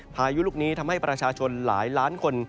พายุลูกนี้ทำให้ประชาชนหลายล้านคน